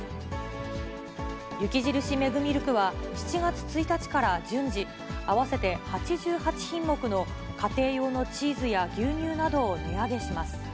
雪印メグミルクは、７月１日から順次、合わせて８８品目の家庭用のチーズや牛乳などを値上げします。